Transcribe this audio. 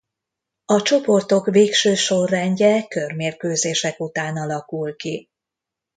A csoportok végső sorrendje körmérkőzések után alakul ki.